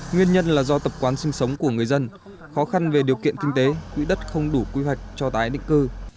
nguyên nhân là do tập quán sinh sống của người dân khó khăn về điều kiện kinh tế quỹ đất không đủ quy hoạch cho tái định cư